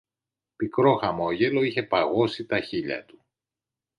Πικρό χαμόγελο είχε παγώσει τα χείλια του.